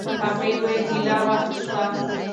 هغې وویل چې لا وخت شته.